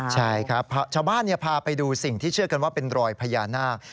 ใช่ครับชาวบ้านพาไปดูสิ่งที่เชื่อกันว่าเป็นรอยพญานาค